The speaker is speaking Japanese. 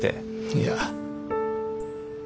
いや。